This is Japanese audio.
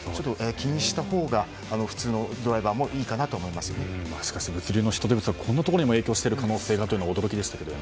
気にしたほうが普通のドライバーもしかし物流の人手不足がこんなところにも影響している可能性がというのは驚きでしたけどね。